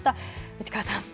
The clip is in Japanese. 内川さん。